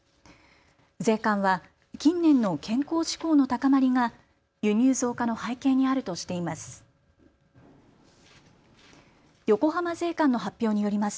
税関は近年の健康志向の高まりが輸入増加の背景にあるとしています。